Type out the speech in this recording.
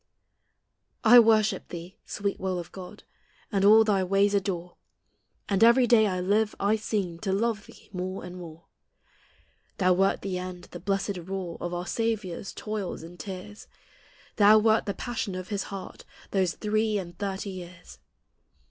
I worship thee, sweet will of God! And all thy ways adore; And every day I live, I seem To love thee more and more. Thou wert the end, the blessed rule Of our Saviour's toils and tears; Thou wert the passion of his heart Those three and thirty years.